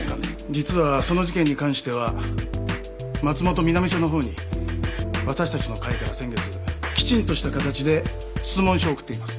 実はその事件に関しては松本南署のほうに私たちの会から先月きちんとした形で質問書を送っています